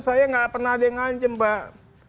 saya tidak pernah ada yang ancam pak